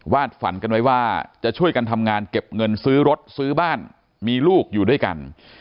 ฝันกันไว้ว่าจะช่วยกันทำงานเก็บเงินซื้อรถซื้อบ้านมีลูกอยู่ด้วยกัน